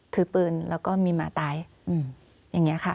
ถือปืนแล้วก็มีหมาตายอย่างนี้ค่ะ